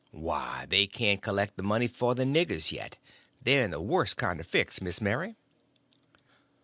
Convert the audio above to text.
Why, they can't collect the money for the niggers yet—they're in the worst kind of a fix, Miss Mary."